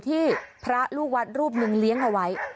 ที่พระลูกวัดรูปหนึ่งเลี้ยงเอาไว้